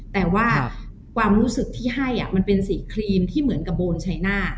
แต่ว่าความรู้สึกที่ให้มันเป็นสีครีมที่เหมือนกับโบนชัยหน้า